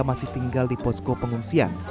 masih tinggal di posko pengungsian